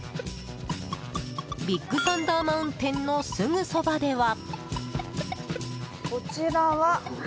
ビッグサンダー・マウンテンのすぐそばでは。